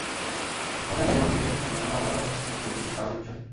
একপর্যায়ে গাড়িবহর ঘিরে একধরনের অবরোধ অবস্থার সৃষ্টি হলে পুলিশ রাবার বুলেট ছোড়ে।